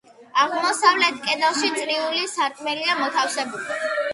აღმოსავლეთ კედელში წრიული სარკმელია მოთავსებული.